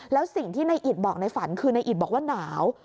แล้วสิ่งที่นายอิตบอกในฝันคือนายอิตบอกว่าหนาว